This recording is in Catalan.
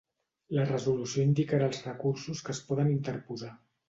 La resolució indicarà els recursos que es poden interposar.